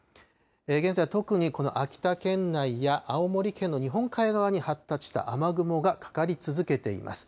現在、特にこの秋田県内や、青森県の日本海側に発達した雨雲がかかり続けています。